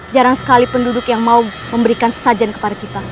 jarang sekali penduduk yang mau memberikan sajan kepada kita